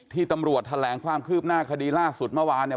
ตำรวจแถลงความคืบหน้าคดีล่าสุดเมื่อวานเนี่ย